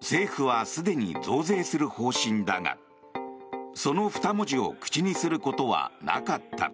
政府はすでに増税する方針だがその２文字を口にすることはなかった。